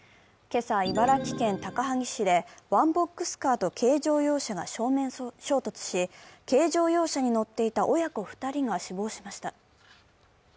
今朝、茨城県高萩市でワンボックスカーと軽乗用車が正面衝突し、軽乗用車に乗っていた親子２人が死亡しました。